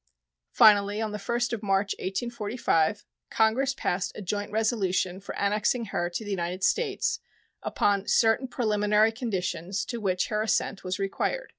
Finally, on the 1st of March, 1845, Congress passed a joint resolution for annexing her to the United States upon certain preliminary conditions to which her assent was required.